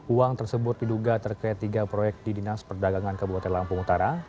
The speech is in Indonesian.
uang tersebut diduga terkait tiga proyek di dinas perdagangan kabupaten lampung utara